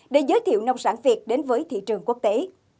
để giới thiệu nông sản việt đến với thị trường quốc tế